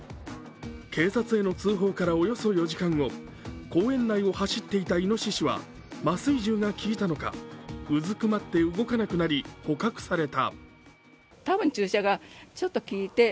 警察への通報からおよそ４時間後公園内を走っていた、いのししは麻酔銃が効いたのかうずくまって動かなくなり、捕獲された。